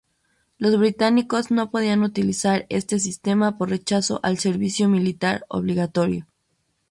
Los británicos no podían utilizar este sistema por rechazo al servicio militar obligatorio.